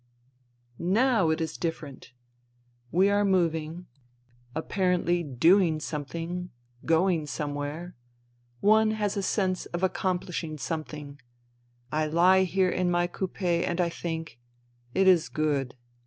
" Now it is different. We are moving, apparently 158 FUTILITY doing something, going somewhere. One has a sense of accompHshing something. I He here in my coupe and I think : It is good.